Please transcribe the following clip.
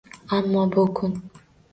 Ammo bu kun